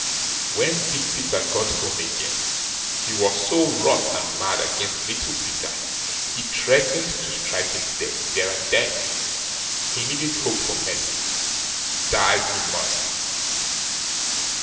When Big Peter got home again, he was so wroth and mad against Little Peter, he threatened to strike him dead there and then; he needn't hope for mercy, die he must.